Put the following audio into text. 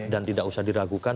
dan tidak usah diragukan